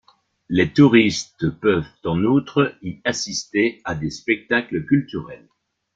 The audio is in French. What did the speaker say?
Les touristes peuvent en outre y assister à des spectacles culturels.